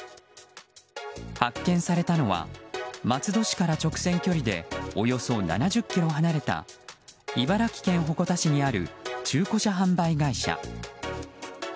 発見されたのは松戸市から直線距離でおよそ７０ｋｍ離れた茨城県鉾田市にある中古車販売会社。